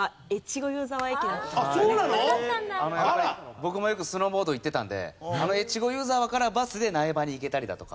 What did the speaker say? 僕もよくスノーボード行ってたのであの越後湯沢からバスで苗場に行けたりだとか。